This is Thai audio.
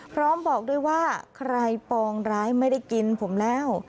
พร้อมบอกด้วยว่าใครปองร้ายไม่ได้กินผมแล้ว